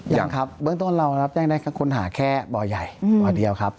ยังครับเบื้องต้นเรารับแจ้งได้ค้นหาแค่บ่อใหญ่บ่อเดียวครับ